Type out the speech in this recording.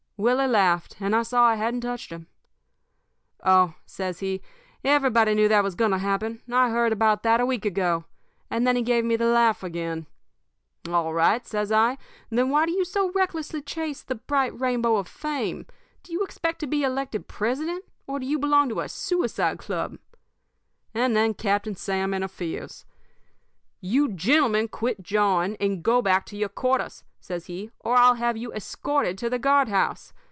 "Willie laughed, and I saw I hadn't touched him. "'Oh,' says he, 'everybody knew that was going to happen. I heard about that a week ago.' And then he gave me the laugh again. "'All right,' says I. 'Then why do you so recklessly chase the bright rainbow of fame? Do you expect to be elected President, or do you belong to a suicide club?' "And then Captain Sam interferes. "'You gentlemen quit jawing and go back to your quarters,' says he, 'or I'll have you escorted to the guard house.